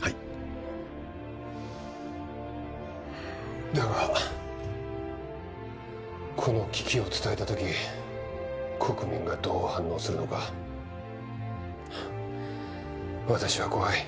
はいだがこの危機を伝えた時国民がどう反応するのか私は怖い